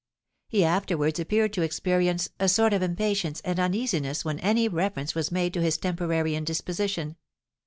He afterwards appeared to experience a sort of impatience and uneasiness when any reference was made to his temporary indisposition.